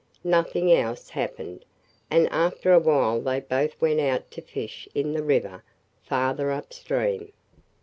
Nothing else happened, and after a while they both went out to fish in the river farther upstream.